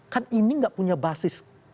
kan ini gak punya basis